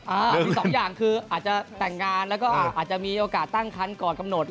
อีกสองอย่างคืออาจจะแต่งงานแล้วก็อาจจะมีโอกาสตั้งคันก่อนกำหนด